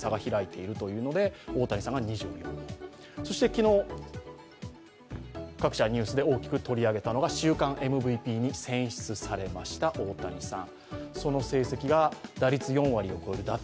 昨日、各社ニュースで大きく取り上げたのが週間ＭＶＰに選出されました大谷さん